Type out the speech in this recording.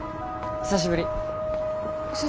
久しぶり。